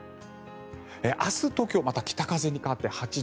明日、東京、また北風に変わって８度。